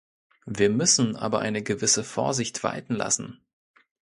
Wir müssen aber eine gewisse Vorsicht walten lassen.